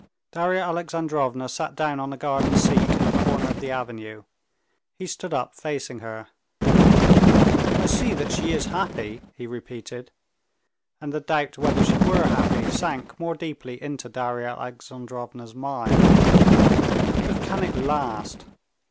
Darya Alexandrovna sat down on a garden seat in a corner of the avenue. He stood up facing her. "I see that she is happy," he repeated, and the doubt whether she were happy sank more deeply into Darya Alexandrovna's mind. "But can it last?